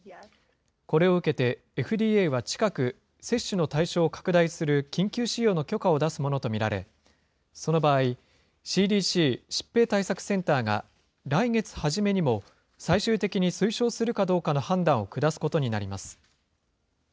これを受けてＦＤＡは近く、接種の対象を拡大する緊急使用の許可を出すものと見られ、その場合、ＣＤＣ・疾病対策センターが来月初めにも最終的に推奨するかどうかの判断を下すことになります。